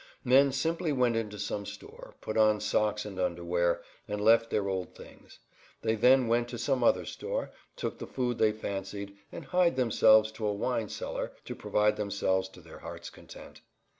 Men simply went into some store, put on socks and underwear, and left their old things; they then went to some other store, took the food they fancied, and hied themselves to a wine cellar to provide themselves to their hearts' content.